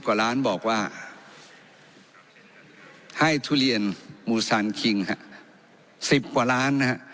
กว่าล้านบอกว่าให้ทุเรียนมูซานคิงฮะ๑๐กว่าล้านนะฮะ